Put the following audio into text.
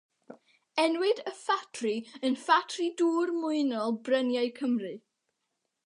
Enwyd y ffatri yn Ffatri Dŵr Mwynol Bryniau Cymru.